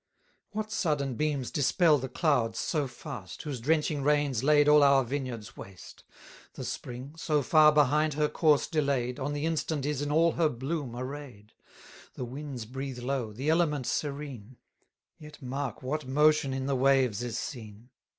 What sudden beams dispel the clouds so fast, Whose drenching rains laid all our vineyards waste? The spring, so far behind her course delay'd, On the instant is in all her bloom array'd; 1120 The winds breathe low, the element serene; Yet mark what motion in the waves is seen!